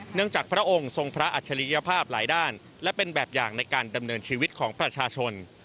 จากพระองค์ทรงพระอัจฉริยภาพหลายด้านและเป็นแบบอย่างในการดำเนินชีวิตของประชาชน